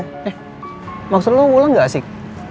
eh maksud lo wulan gak asik